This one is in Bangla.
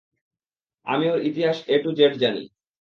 আমি ওর ইতিহাস এ টু জেড জানি।